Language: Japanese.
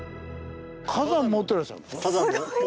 火山持ってらっしゃるんですよ。